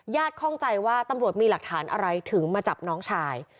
คล่องใจว่าตำรวจมีหลักฐานอะไรถึงมาจับน้องชาย